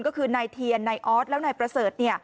ก็คือนายเทียนนายออสแล้วนายประเสริฐ